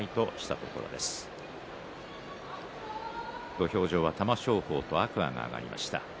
土俵上は玉正鳳と天空海が上がりました。